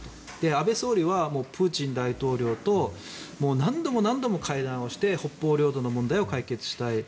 安倍総理はプーチン大統領と何度も何度も会談して北方領土の問題を解決したい。